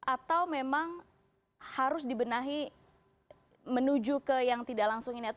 atau memang harus dibenahi menuju ke yang tidak langsung ini